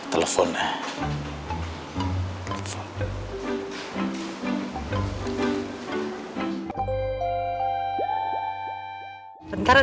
ah stem dateng siada